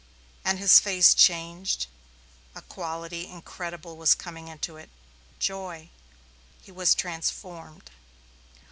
And his face changed; a quality incredible was coming into it joy. He was transformed.